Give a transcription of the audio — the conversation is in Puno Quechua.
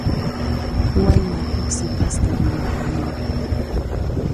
Wayna huk sipasta rimapayan.